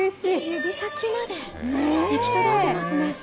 指先まで行き届いてますね。